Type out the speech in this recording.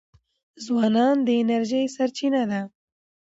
ځوانان د انرژۍ سرچینه دي.